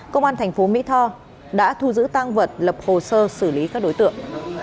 công an tp mỹ tho đã thu giữ tăng vật lập hồ sơ xử lý các đối tượng